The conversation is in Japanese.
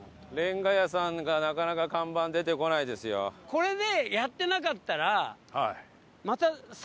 これで。